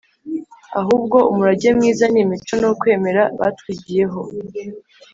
ahubwo umurage mwiza ni imico n’ukwemera batwigiyeho